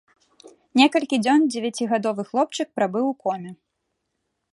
Некалькі дзён дзевяцігадовы хлопчык прабыў у коме.